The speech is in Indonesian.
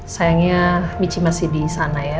sayangnya michi masih di sana ya